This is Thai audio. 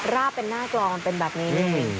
ราบเป็นหน้ากลอนเป็นแบบนี้